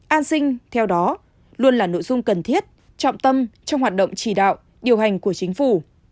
an sinh theo đó luôn là nội dung cần thiết trọng tâm trong hoạt động chỉ đạo điều hành của chính phủ